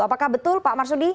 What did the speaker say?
apakah betul pak marsudi